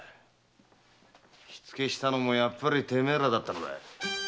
火付けしたのもやっぱりてめえらだったか。